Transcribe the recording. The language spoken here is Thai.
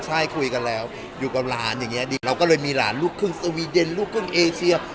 ใช่คุยกันแล้วอยู่กับหลานอย่างนี้ดีเราก็เลยมีหลานลูกครึ่งสวีเดนลูกครึ่งเอเชีย